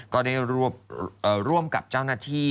ก็ได้ร่วมกับเจ้าหน้าที่